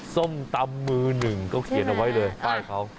ส้มตำมือหนึ่งเขาเขียนเอาไว้เลยป้ายเขา